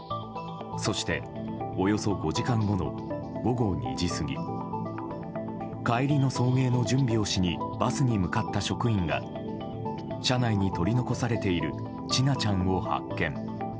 そして、およそ５時間後の午後２時過ぎ帰りの送迎の準備をしにバスに向かった職員が車内に取り残されている千奈ちゃんを発見。